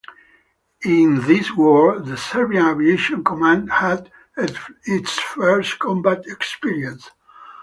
In this war, the Serbian Aviation Command had its first combat experience.